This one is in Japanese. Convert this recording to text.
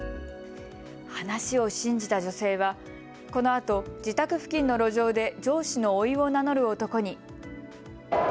話を信じた女性はこのあと自宅付近の路上で上司のおいを名乗る男に。